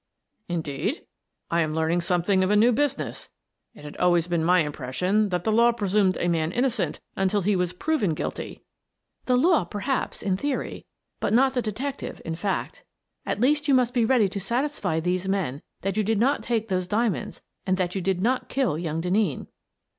" Indeed ? I am learning something of a new business. It had always been my impression that the law presumed a man innocent until he was proven guilty." " The law, perhaps, in theory, but not the detec tive in fact. At least you must be ready to satisfy these men that you did not take those diamonds and that you did not kill young Denneen."